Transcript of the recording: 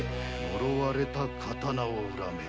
のろわれた刀を恨め！